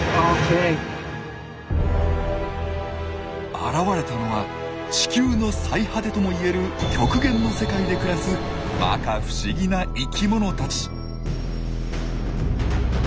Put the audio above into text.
現れたのは地球の最果てともいえる極限の世界で暮らすまか不思議な生きものたち。